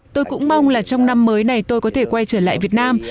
tôi cũng mong là trong năm mới này tôi có thể quay trở lại việt nam